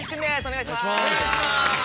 お願いします。